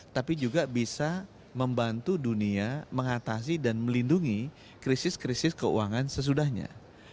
tapi juga bisa membantu dunia mengatasi dan melindungi krisis krisis keuangan sesudahnya